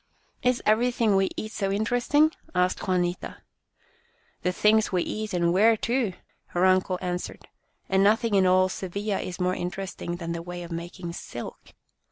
" Is everything we eat so interesting ?" asked Juanita. " The things we eat and wear, too," her uncle answered, " and nothing in all Sevilla is more interesting than the way of making silk."